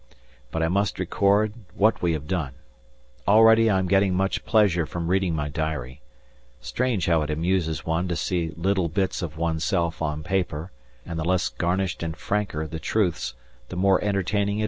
But I must record what we have done. Already I am getting much pleasure from reading my diary. Strange how it amuses one to see little bits of oneself on paper, and the less garnished and franker the truths the more entertaining it is.